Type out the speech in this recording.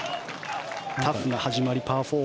タフな始まり、パー４。